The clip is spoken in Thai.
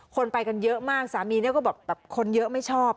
คนไปกันเยอะมากสามีก็บอกคนเยอะไม่ชอบ